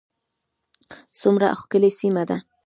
څومره ښکلې سیمه ده